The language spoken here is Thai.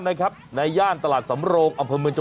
นะครับในย่านตลาดสำรองอัมเภอเมืองจังหวัด